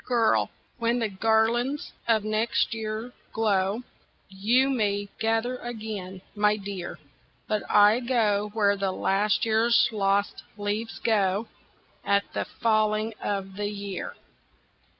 Girl! when the garlands of next year glow, YOU may gather again, my dear But I go where the last year's lost leaves go At the falling of the year."